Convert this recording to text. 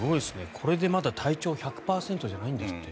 これでまだ体調１００％じゃないんですって。